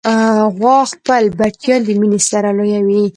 غوا خپل بچیان د مینې سره لویوي.